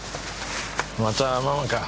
またママか。